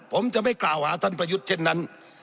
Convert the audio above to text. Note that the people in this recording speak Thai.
ผมจะไม่กล่าวหาท่านประยุทธ์เช่นนั้น